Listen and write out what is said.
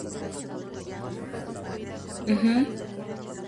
Comenzó a cantar aún niño, influenciado por familiares.